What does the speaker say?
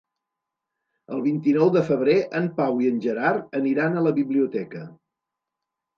El vint-i-nou de febrer en Pau i en Gerard aniran a la biblioteca.